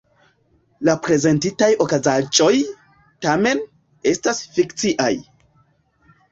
La prezentitaj okazaĵoj, tamen, estas fikciaj.